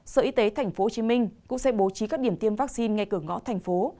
sở y tế tp hcm cũng sẽ bố trí các điểm tiêm vaccine ngay cửa ngõ thành phố